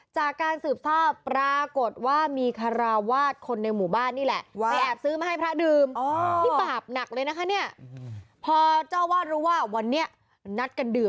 จากการสืบภาพปรากฏว่ามีฆราวาสคนในหมู่บ้านนี่แหละ